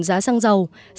giá xăng dầu như hiện hành